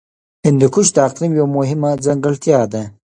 هندوکش د اقلیم یوه مهمه ځانګړتیا ده.